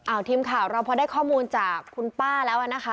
เอาทีมข่าวเราพอได้ข้อมูลจากคุณป้าแล้วนะคะ